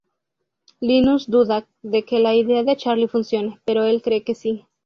Linus duda de que la idea de Charlie funcione, pero el cree que sí.